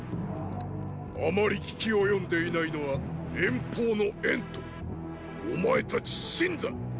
あまり聞き及んでいないのは遠方の燕とお前たち秦だ。